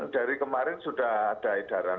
dari kemarin sudah ada edaran